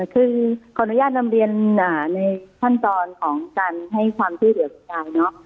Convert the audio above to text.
คือขออนุญาตนำเรียนในขั้นตอนของการให้ความช่วยเหลือคุณยายเนอะ